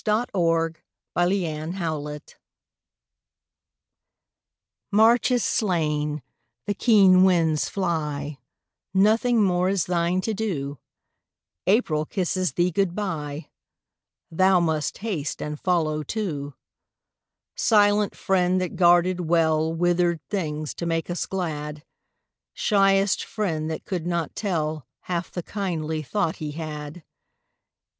GOD SPEED TO THE SNOW March is slain; the keen winds fly; Nothing more is thine to do; April kisses thee good bye; Thou must haste and follow too; Silent friend that guarded well Withered things to make us glad, Shyest friend that could not tell Half the kindly thought he had.